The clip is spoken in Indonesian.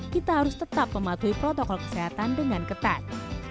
kita harus tetap mematuhi protokol kesehatan dengan ketat